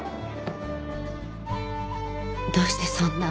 どうしてそんな？